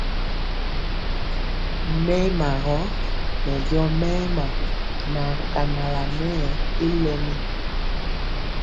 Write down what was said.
Mɛɛma gɔ mɛ jɔ mɛɛma na kanala nɛɛ y lɛmi.